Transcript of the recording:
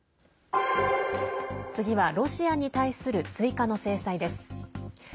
次はロシアに対する追加の制裁です。